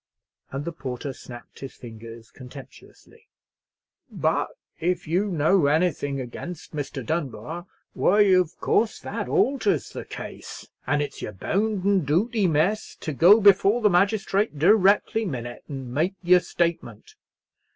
And the porter snapped his fingers contemptuously. "But if you know anything against Mr. Dunbar, why, of course, that alters the case; and it's yer bounden dooty, miss, to go before the magistrate directly minute and make yer statement."